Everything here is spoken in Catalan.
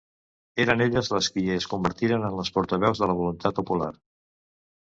Eren elles les qui es convertiren en les portaveus de la voluntat popular.